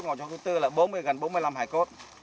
ngôi mộ thứ tư là bốn mươi gần bốn mươi năm hải cốt